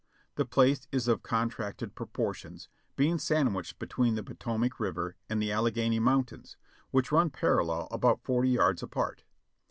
The place is of contracted proportions, being sandwiched between the Potomac River and the Alleghany Mountains, which run parallel about forty yards apart.